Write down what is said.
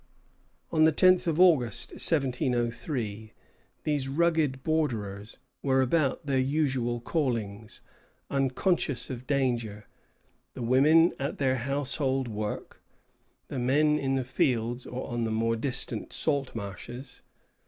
On the tenth of August, 1703, these rugged borderers were about their usual callings, unconscious of danger, the women at their household work, the men in the fields or on the more distant salt marshes.